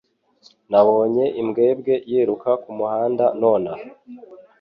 Nabonye imbwebwe yiruka kumuhanda nonaha.